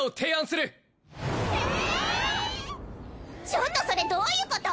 ちょっとそれどういうこと！？